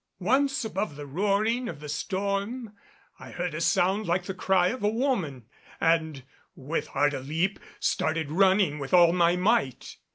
Once above the roaring of the storm I heard a sound like the cry of a woman and, with heart a leap started running with all my might.